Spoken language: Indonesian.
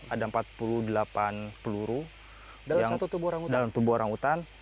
ada empat puluh delapan peluru dalam tubuh orang hutan